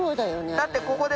だってここで。